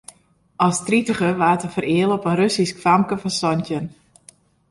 As tritiger waard er fereale op in Russysk famke fan santjin.